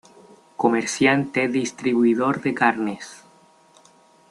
Comerciante distribuidor de carnes.